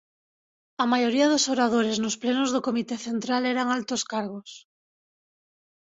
A maioría dos oradores nos plenos do Comité Central eran altos cargos.